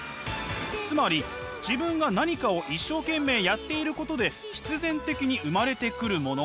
つまり自分が何かを一生懸命やっていることで必然的に生まれてくるもの